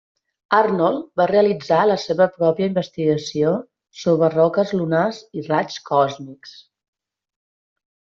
Arnold va realitzar la seva pròpia investigació sobre roques lunars i raigs còsmics.